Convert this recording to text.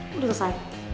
lo udah selesai